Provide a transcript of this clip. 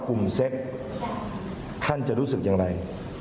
กลุ่มเซ็กส์ท่านจะรู้สึกอย่างไร